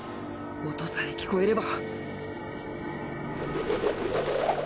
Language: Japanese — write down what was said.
音さえ聞こえれば